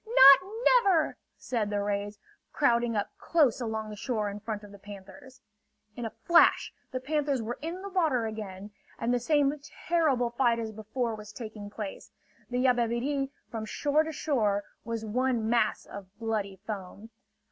"Not never!" said the rays, crowding up close along the shore in front of the panthers. In a flash, the panthers were in the water again, and the same terrible fight as before was taking place. The Yabebirì from shore to shore was one mass of bloody foam.